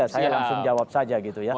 saya langsung jawab saja